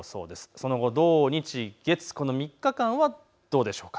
その後、土日月、この３日間はどうでしょうか。